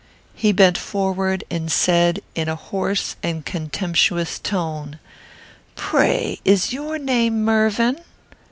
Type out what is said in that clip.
He bent forward, and said, in a hoarse and contemptuous tone, "Pray, is your name Mervyn?"